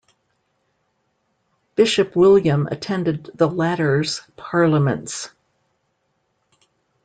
Bishop William attended the latter's parliaments.